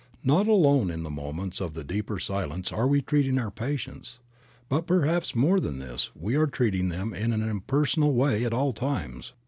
Not alone in the moments of the deeper silence are we treating our patients, but per haps more than this we are treating them in an impersonal way at all times.